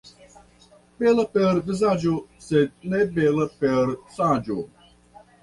Bela per vizaĝo, sed ne bela per saĝo.